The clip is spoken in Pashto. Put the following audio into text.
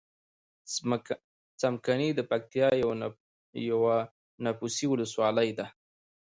څمکنی دپکتیا یوه نفوسې ولسوالۍ ده.